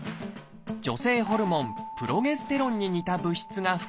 女性ホルモンプロゲステロンに似た物質が含まれています。